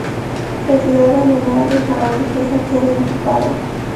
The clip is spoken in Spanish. La ciudad abandonada de Harrán fue saqueada y ocupada.